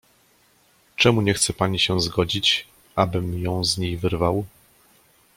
"Czemu nie chce pani się zgodzić, abym ją z niej wyrwał?"